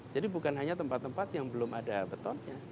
jadi bukan hanya tempat tempat yang belum ada betonnya